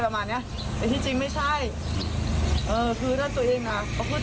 ประมาณเนี้ยแต่ที่จริงไม่ใช่เออคือถ้าตัวเองน่ะเขาขึ้น